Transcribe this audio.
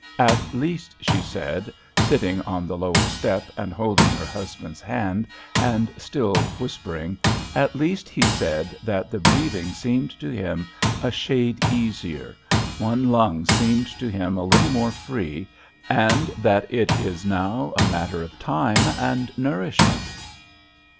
At least," she said, sitting on the lower step, and holding her husband's hand, and still whispering, "at least he said that the breathing seemed to him a shade easier, one lung seemed to him a little more free, and that it is now a question of time and nourishment."